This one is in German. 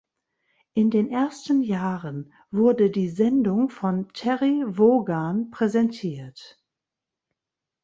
In den ersten Jahren wurde die Sendung von Terry Wogan präsentiert.